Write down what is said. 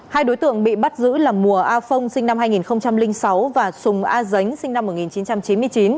hai đối tượng bị bắt giữ là mùa a phong sinh năm hai nghìn sáu và sùng a dính sinh năm một nghìn chín trăm chín mươi chín